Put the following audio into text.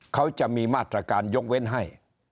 เขาจะมีมาตรการยกเว้นให้